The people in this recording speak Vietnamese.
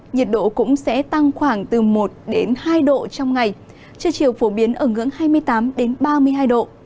nhiệt độ cũng sẽ tăng khoảng từ một hai độ trong ngày trưa chiều phổ biến ở ngưỡng hai mươi tám ba mươi hai độ